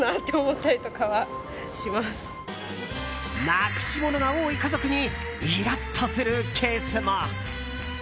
なくしものが多い家族にイラッとするケースも。